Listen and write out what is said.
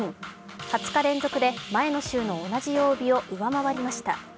２０日連続で前の週の同じ曜日を上回りました。